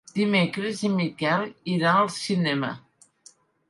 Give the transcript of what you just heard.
Dimecres en Miquel irà al cinema.